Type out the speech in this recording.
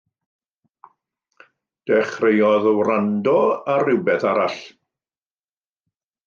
Dechreuodd wrando ar rywbeth arall.